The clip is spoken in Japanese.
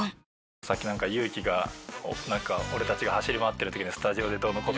さっきなんか勇樹が俺たちが走り回ってる時にスタジオでどうのこうの。